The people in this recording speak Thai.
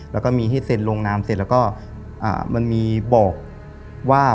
แล้วก็มีให้เซ็นลงนามเสร็จแล้วก็มันมีบอกว่า